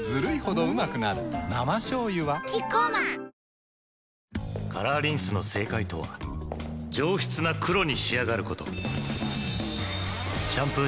生しょうゆはキッコーマンカラーリンスの正解とは「上質な黒」に仕上がることシャンプー